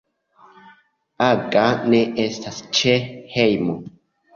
Aga ne estas ĉe hejmo.